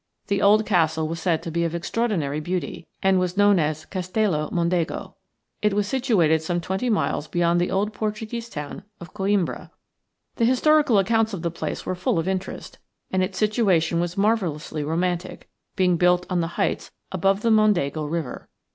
The old castle was said to be of extraordinary beauty, and was known as Castello Mondego. It was situated some twenty miles beyond the old Portuguese town of Coimbra. The historical accounts of the place were full of interest, and its situation was marvellously romantic, being built on the heights above the Mondego River.